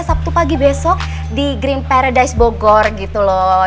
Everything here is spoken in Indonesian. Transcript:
sabtu pagi besok di green paradise bogor gitu loh